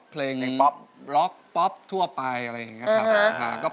เพลงป๊อปล็อกป๊อปทั่วไปอะไรอย่างนี้ครับ